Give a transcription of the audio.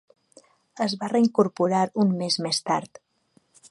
Es va reincorporar un mes més tard.